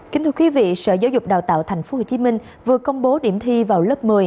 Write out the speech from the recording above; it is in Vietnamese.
kính thưa quý vị sở giáo dục đào tạo tp hcm vừa công bố điểm thi vào lớp một mươi